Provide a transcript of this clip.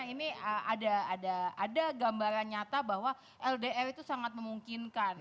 ini ada gambaran nyata bahwa ldr itu sangat memungkinkan